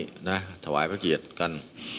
ทำตาวัยประเกียจกัน